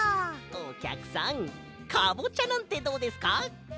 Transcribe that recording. おきゃくさんカボチャなんてどうですか？